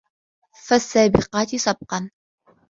فَالسّابِقاتِ سَبقًا